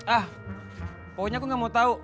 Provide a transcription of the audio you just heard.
ah pokoknya aku gak mau tahu